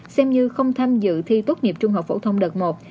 xem như không tham dự thi tốt nghiệp trung học phổ thông đợt một